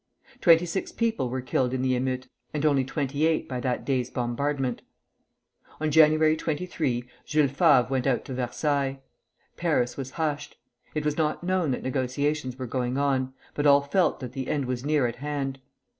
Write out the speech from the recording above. Twenty six people were killed in the émeute, and only twenty eight by that day's bombardment. On January 23 Jules Favre went out to Versailles. Paris was hushed. It was not known that negotiations were going on, but all felt that the end was near at hand.